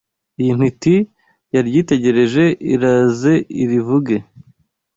Iyo ntiti yaryitegereje Iraze irivuge !